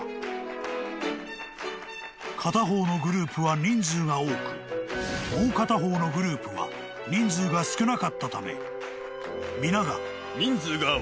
［片方のグループは人数が多くもう片方のグループは人数が少なかったため皆が］